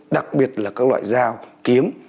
đặc biệt là các loại dao kiếm